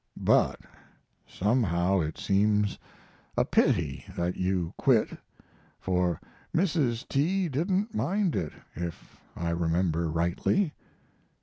But somehow it seems a pity that you quit, for Mrs. T. didn't mind it, if I remember rightly.